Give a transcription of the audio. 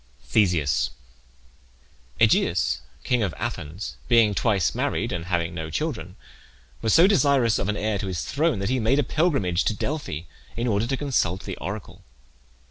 THESEUS. Aegeus, king of Athens, being twice married, and having no children, was so desirous of an heir to his throne that he made a pilgrimage to Delphi in order to consult the oracle.